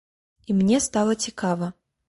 І мне стала цікава.